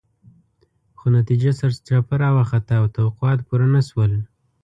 خو نتیجه سرچپه راوخته او توقعات پوره نه شول.